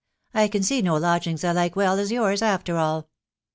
I can see no lodgings I like as well as yours, after all."